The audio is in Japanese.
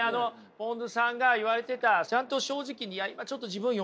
ぽんづさんが言われてたちゃんと正直に今ちょっと自分余裕ないんでと。